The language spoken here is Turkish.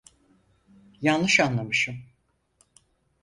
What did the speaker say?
Yanlış anlamışım.